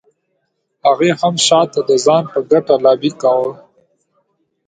هغې هم شاته د ځان په ګټه لابي کاوه.